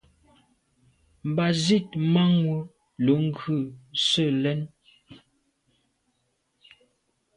Mba zit manwù lo ghù se lèn.